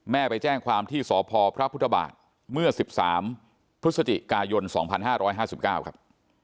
ไปแจ้งความที่สพพระพุทธบาทเมื่อ๑๓พฤศจิกายน๒๕๕๙ครับ